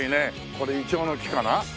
これイチョウの木かな？